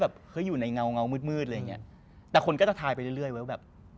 แล้วก็อยู่ในเงามืดแต่คนก็จะทายไปเรื่อยว่าแบบ